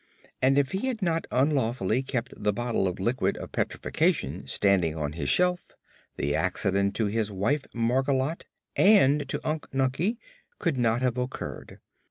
And if he had not unlawfully kept the bottle of Liquid of Petrifaction standing on his shelf, the accident to his wife Margolotte and to Unc Nunkie could not have occurred.